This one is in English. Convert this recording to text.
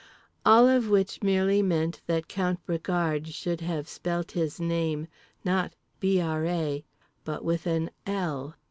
All of which meant merely that Count Bragard should have spelt his name, not Bra , but with an l.